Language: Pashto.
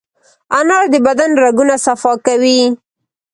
انار د بدن رګونه صفا کوي.